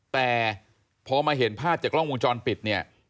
แต่พอมาเห็นภาพจากกล้องวงจรปิดเนี่ย